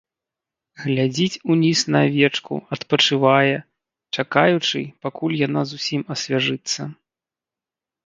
Глядзіць уніз на авечку, адпачывае, чакаючы, пакуль яна зусім асвяжыцца.